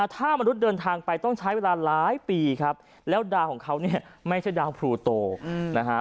ถ้ามรุษเดินทางไปต้องใช้เวลาหลายปีครับแล้วดาวมันไม่ใช่ดาวพรูโตนะคะ